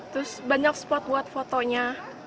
terus banyak spot buat fotonya